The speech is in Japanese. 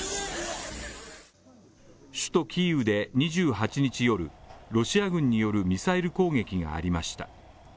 首都キーウで２８日夜、ロシア軍によるミサイル攻撃がありました。